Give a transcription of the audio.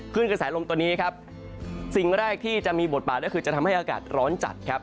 กระแสลมตัวนี้ครับสิ่งแรกที่จะมีบทบาทก็คือจะทำให้อากาศร้อนจัดครับ